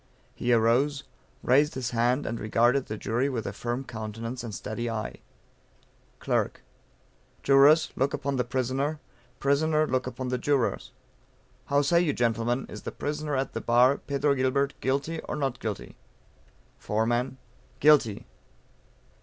He arose, raised his hand, and regarded the jury with a firm countenance and steady eye. Clerk. Jurors look upon the prisoner; prisoner look upon the jurors. How say you, Gentlemen, is the prisoner at the bar, Pedro Gilbert, guilty or not guilty? Foreman. GUILTY.